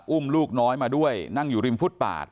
อุ้มลูกน้อยมาด้วยนั่งอยู่ริมฟุตปาด